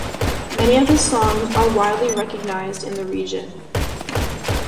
Many of his songs are widely recognized in the region.